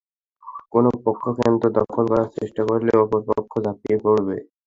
কোনো পক্ষ কেন্দ্র দখল করার চেষ্টা করলে অপর পক্ষ ঝাঁপিয়ে পড়বে।